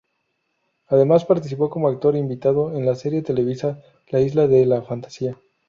Además, participó como actor invitado en la serie televisiva "La isla de la fantasía".